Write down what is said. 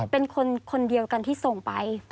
เป็นคนเดียวกันที่ส่งไป